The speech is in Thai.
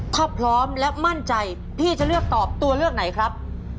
ถ้าพร้อมและมั่นใจพี่จะเลือกตอบตัวเลือกไหนครับ